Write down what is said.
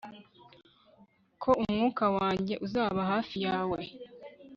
ko umwuka wanjye uzaba hafi yawe